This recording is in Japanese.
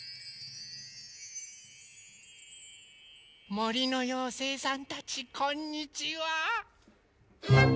もりのようせいさんたちこんにちは！